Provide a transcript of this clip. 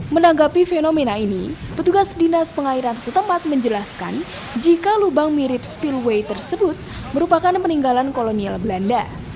menanggapi fenomena ini petugas dinas pengairan setempat menjelaskan jika lubang mirip spillway tersebut merupakan peninggalan kolonial belanda